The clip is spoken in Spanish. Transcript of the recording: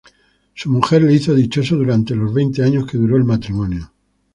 Su mujer le hizo dichoso durante los veinte años que duró el matrimonio.